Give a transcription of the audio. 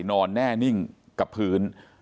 นอนแน่นิ่งกับพื้น